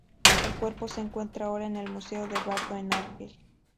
El cuerpo se encuentra ahora en el Museo del Bardo en Argel.